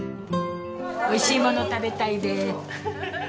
おいしいもの食べたいでーす。